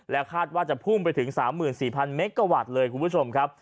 คาดว่าจะพุ่งไปถึง๓๔๐๐เมกะวัตต์เลยคุณผู้ชมครับ